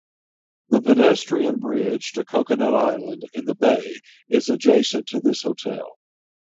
The pedestrian bridge to Coconut Island in the bay is adjacent to this hotel.